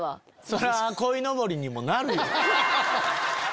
そりゃこいのぼりにもなるよ。